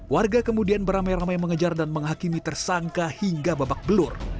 warga kemudian beramai ramai mengejar dan menghakimi tersangka hingga babak belur